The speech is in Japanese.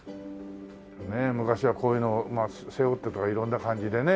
ねえ昔はこういうの背負ってとか色んな感じでね。